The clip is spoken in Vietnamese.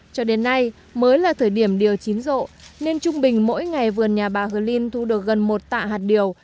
cho đến nay mới là thời điểm điều chín rộ nên trung bình mỗi ngày vườn nhà bà hờ ly nhiê cờ dăm thu được gần một tạ hạt điều